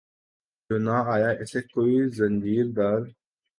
جو نہ آیا اسے کوئی زنجیر در